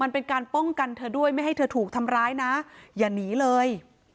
มันเป็นการป้องกันเธอด้วยไม่ให้เธอถูกทำร้ายนะอย่าหนีเลย